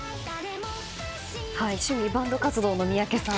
趣味、バンド活動の宮家さん。